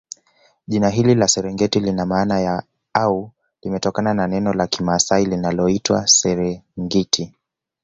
Jina hili la Serengeti lina maana au limetokana na neno la kimasai linaloitwa Serengiti